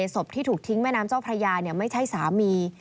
ศพที่ถูกทิ้งแม่น้ำเจ้าพระยาไม่ใช่สามี